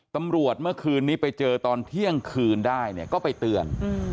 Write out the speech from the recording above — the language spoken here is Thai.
เมื่อคืนนี้ไปเจอตอนเที่ยงคืนได้เนี่ยก็ไปเตือน